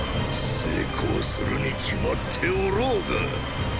成功するに決まっておろうが！！